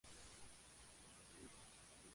Sin embargo, fue derrotado en el evento.